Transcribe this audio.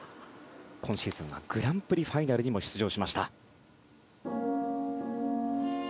今シーズンはグランプリファイナルにも出場。